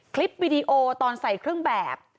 คลิปวิดีโอตอนใส่เครื่องแบบ